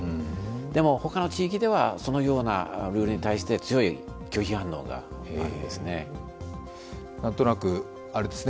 でも他の近いでは、そのようなルールに対して強い拒否反応があるんですね。